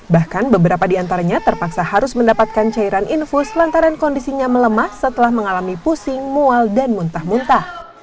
bahkan beberapa di antaranya terpaksa harus mendapatkan cairan infus lantaran kondisinya melemah setelah mengalami pusing mual dan muntah muntah